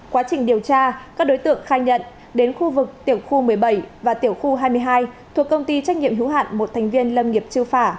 quá trình điều tra các đối tượng khai nhận đến khu vực tiểu khu một mươi bảy và tiểu khu hai mươi hai thuộc công ty trách nhiệm hữu hạn một thành viên lâm nghiệp trư phả